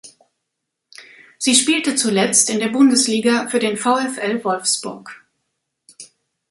Sie spielte zuletzt in der Bundesliga für den VfL Wolfsburg.